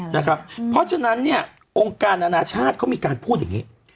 เพราะฉะนั้นเนี่ยองค์การอนาชาติเขามีการพูดอย่างนี้